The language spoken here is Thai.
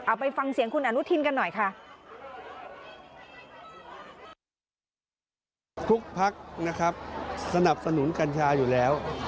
ไปฟังเสียงคุณอนุทินกันหน่อยค่ะ